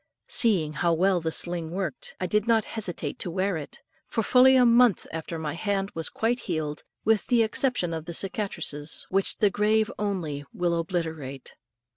Seeing how well the sling worked, I did not hesitate to wear it, for fully a month after my hand was quite healed, with the exception of the cicatrices, which the grave only will obliterate.